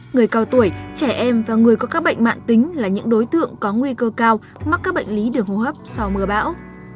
người cao tuổi trẻ em và người có các bệnh mạng tính là những đối tượng có nguy cơ cao mắc các bệnh lý đường hô hấp sau mưa bão